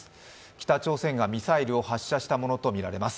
北朝鮮がミサイルを発射したものとみられます。